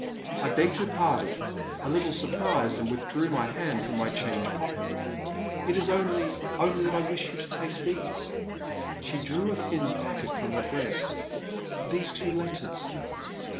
I begged her pardon, a little surprised, and withdrew my hand from my change pocket. *' It is only — only that I wish you to take these,'* — she drew a thin packet from her breast, —these two letters."